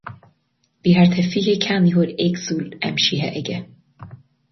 Bhí thart ar fiche ceannaitheoir éagsúil aimsithe aige.